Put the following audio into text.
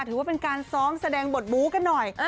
ถือว่าเป็นการซ้อมแสดงบทบู๊กันหน่อย